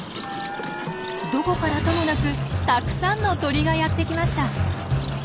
どこからともなくたくさんの鳥がやってきました。